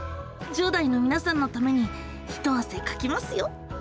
１０代のみなさんのためにひとあせかきますよ！